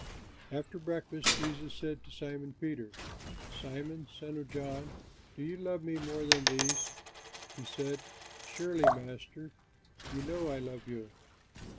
After breakfast Jesus said to Simon Peter, "Simon, son of John, do you love me more than these?" He said, "Surely, Master, you know I love you."